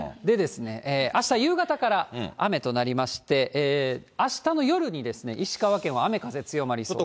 あした夕方から雨となりまして、あしたの夜に石川県は雨風強まりそうです。